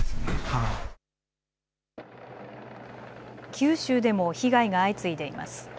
九州でも被害が相次いでいます。